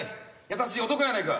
優しい男やないか。